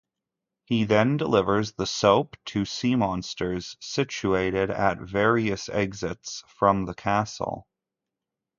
He then delivers the soap to sea-monsters, situated at various exits from the castle.